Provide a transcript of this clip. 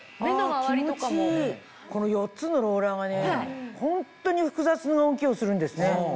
この４つのローラーがホントに複雑な動きをするんですね。